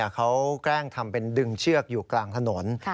เขาแกล้งทำเป็นดึงเชือกอยู่กลางถนน